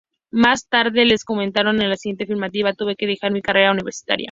Más tarde, Lees, comentando el incidente, afirmaría: "tuve que dejar mi carrera universitaria.